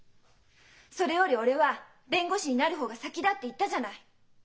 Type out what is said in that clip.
「それより俺は弁護士になる方が先だ」って言ったじゃない。